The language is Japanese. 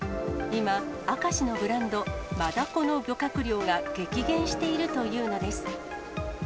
今、明石のブランド、マダコの漁獲量が激減しているというのです。